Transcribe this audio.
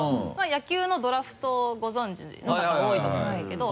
野球のドラフトご存じの方多いと思うんですけど。